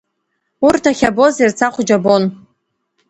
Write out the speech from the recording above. Урҭ ахьабоз Ерцахә џьабон…